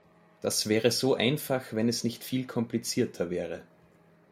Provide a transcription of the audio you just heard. Das wäre so einfach, wenn es nicht viel komplizierter wäre.